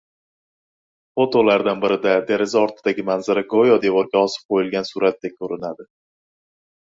Fotolardan birida deraza ortidagi manzara go‘yo devorga osib qo‘yilgan suratdek ko‘rinadi